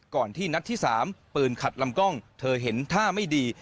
ที่นัดที่๓ปืนขัดลำกล้องเธอเห็นท่าไม่ดี